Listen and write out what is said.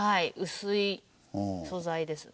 薄い素材ですね。